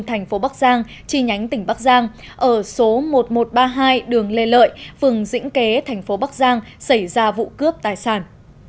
tp bắc giang tri nhánh tỉnh bắc giang ở số một nghìn một trăm ba mươi hai đường lê lợi phường dĩnh kế tp bắc giang xảy ra vụ cướp tài sản